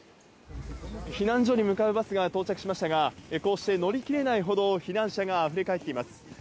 避難所に向かうバスが到着しましたがこうして乗り切れないほど避難者があふれ返っています。